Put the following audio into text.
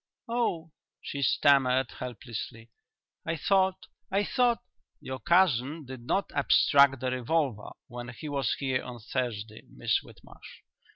"Oh!" she stammered helplessly. "I thought I thought " "Your cousin did not abstract the revolver when he was here on Thursday, Miss Whitmarsh.